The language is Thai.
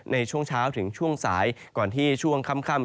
ในช่วงเช้าถึงช่วงสายก่อนที่ช่วงค่ำ